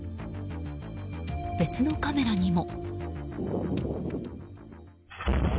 別のカメラにも。